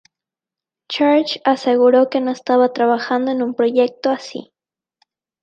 Church aseguró que no estaba trabajando en un proyecto así.